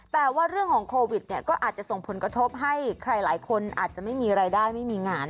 แต่ว่าเรื่องของโควิดเนี่ยก็อาจจะส่งผลกระทบให้ใครหลายคนอาจจะไม่มีรายได้ไม่มีงาน